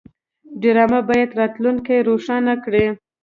ډرامه باید راتلونکی روښانه کړي